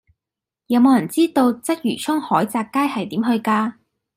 有無人知道鰂魚涌海澤街係點去㗎